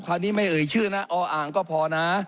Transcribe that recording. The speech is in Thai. คราวนี้ไม่เอ่ยชื่อนะออ่างก็พอนะ